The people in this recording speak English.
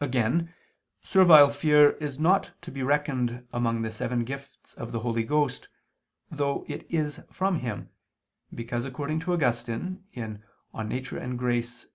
Again servile fear is not to be reckoned among the seven gifts of the Holy Ghost, though it is from Him, because according to Augustine (De Nat. et Grat.